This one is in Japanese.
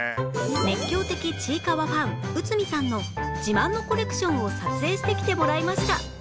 熱狂的『ちいかわ』ファン内海さんの自慢のコレクションを撮影してきてもらいました